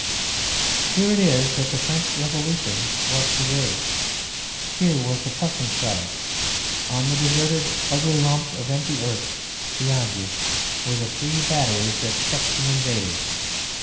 Here it is that the French Revolution was preserved. Here was the Prussian charge. On the deserted, ugly lump of empty earth beyond you were the three batteries that checked the invaders.